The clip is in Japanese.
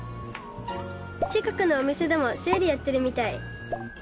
近くのお店でもセールやってるみたい！